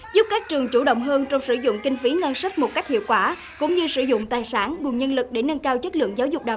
giúp các trường chủ động hơn trong sử dụng kinh phí ngân sản